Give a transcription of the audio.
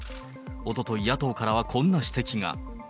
おととい、野党からはこんな指摘が。